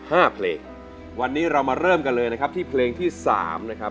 ห้าเพลงวันนี้เรามาเริ่มกันเลยนะครับที่เพลงที่สามนะครับ